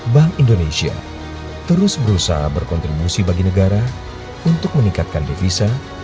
bank indonesia terus berusaha berkontribusi bagi negara untuk meningkatkan devisa